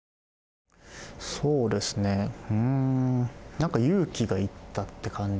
そうですねうんなんか勇気がいったって感じですかね。